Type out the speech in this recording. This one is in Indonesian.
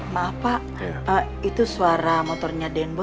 maaf pak itu suara motornya den boy